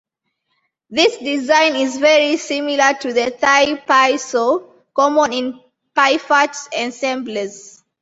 This design is very similar to the Thai Pi so, common in "piphat" ensembles.